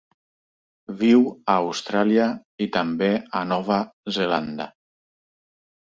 Viu a Austràlia i també a Nova Zelanda.